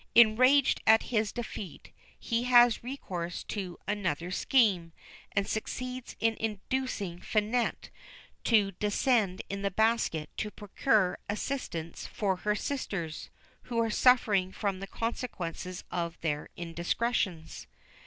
Enraged at his defeat, he has recourse to another scheme, and succeeds in inducing Finette to descend in the basket to procure assistance for her sisters, who are suffering from the consequences of their indiscretions.